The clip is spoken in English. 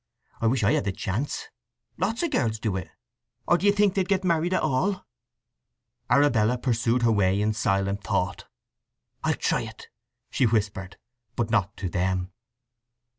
I wish I had the chance! Lots of girls do it; or do you think they'd get married at all?" Arabella pursued her way in silent thought. "I'll try it!" she whispered; but not to them.